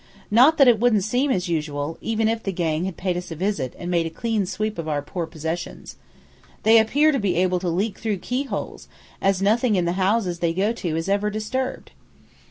Not that it wouldn't seem as usual, even if the gang had paid us a visit and made a clean sweep of our poor possessions. They appear to be able to leak through keyholes, as nothing in the houses they go to is ever disturbed."